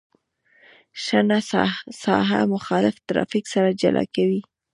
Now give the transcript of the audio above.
شنه ساحه مخالف ترافیک سره جلا کوي